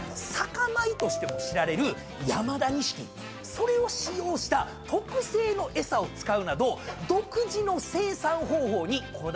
それを使用した特製の餌を使うなど独自の生産方法にこだわっておられる